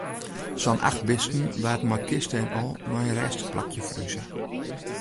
Sa'n acht bisten waarden mei kiste en al nei in rêstich plakje ferhuze.